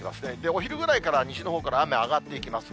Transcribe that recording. お昼ぐらいから西のほうから雨、上がっていきます。